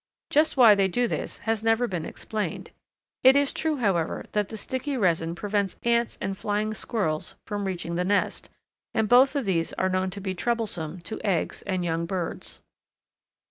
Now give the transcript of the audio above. Just why they do this has never been explained. It is true, however, that the sticky resin prevents ants and flying squirrels from reaching the nest, and both of these are known to be troublesome to eggs and young birds.